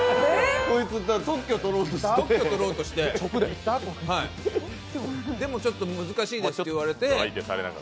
こいつ特許とろうとしてでもちょっと難しいですよと言われて。